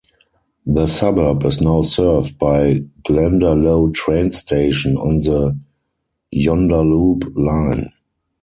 The suburb is now served by Glendalough train station on the Joondalup line.